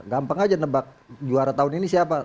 gampang aja nebak juara tahun ini siapa